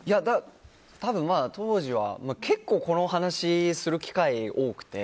多分、当時は結構この話をする機会が多くて。